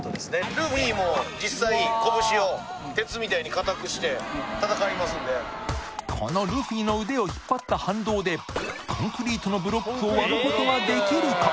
ルフィも実際拳を鉄みたいに硬くして戦いますのでこのルフィの腕を引っ張った反動でを割ることができるか？